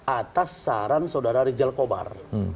atas saran saudara rijal kobar